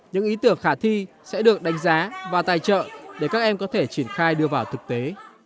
những ý tưởng khả thi sẽ được đánh giá và tài trợ để các em có thể triển khai đưa vào thực tế